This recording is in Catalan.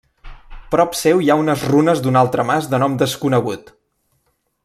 Prop seu hi ha unes runes d'un altre mas de nom desconegut.